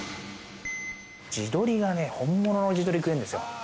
地鶏がね、本物の地鶏、食えるんですよ。